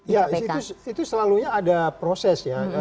ya itu selalunya ada proses ya